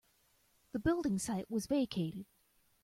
The building site was vacated.